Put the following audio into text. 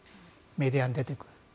メディアに出てくる。